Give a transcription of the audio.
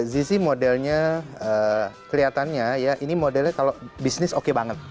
zi sih modelnya kelihatannya ya ini modelnya kalau bisnis oke banget